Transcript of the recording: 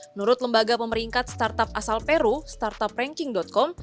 menurut lembaga pemeringkat startup asal peru startupranking com